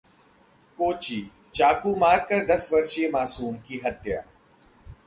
कोच्चिः चाकू मारकर दस वर्षीय मासूम की हत्या